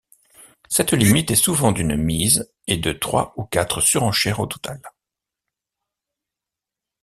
Cette limite est souvent d'une mise et de trois ou quatre surenchères au total.